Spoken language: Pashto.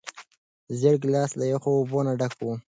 زېړ ګیلاس له یخو اوبو نه ډک و.